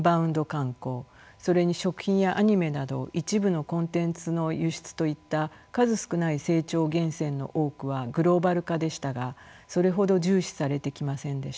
観光それに食品やアニメなど一部のコンテンツの輸出といった数少ない成長源泉の多くはグローバル化でしたがそれほど重視されてきませんでした。